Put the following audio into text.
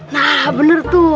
nah bener tuh